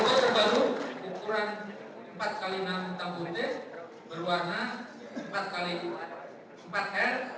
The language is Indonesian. dautan terbaru ukuran empat x enam tambur teh berwarna empat x empat her